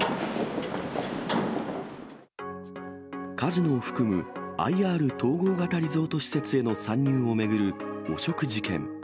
カジノを含むＩＲ・統合型リゾート施設への参入を巡る汚職事件。